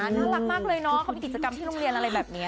น่ารักมากเลยเนาะเขามีกิจกรรมที่โรงเรียนอะไรแบบนี้